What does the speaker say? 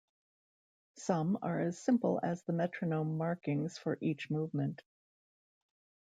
Some are as simple as the metronome markings for each movement.